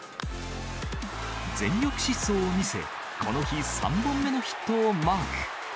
全力疾走を見せ、この日、３本目のヒットをマーク。